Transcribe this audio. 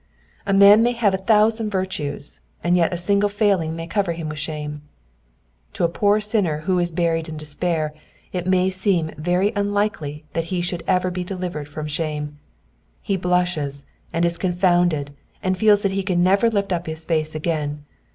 A man may have a thousand virtues, and yet a single failing may cover him with shame. To a poor sinner who is buried in despair, it may seem a very unlikely (thing that he should ever be delivered from shame. He blushes, and is 'Confounded, and feels that he can never lift up his face again.